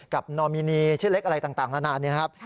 กับนอมินีชื่อเล็กอะไรต่างแล้วนาน